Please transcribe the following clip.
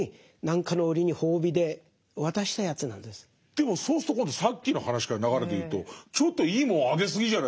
でもそうすると今度さっきの話から流れでいうとちょっといいもんあげすぎじゃないですか。